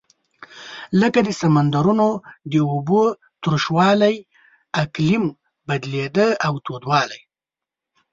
لکه د سمندرونو د اوبو تروش والۍ اقلیم بدلېده او تودوالی.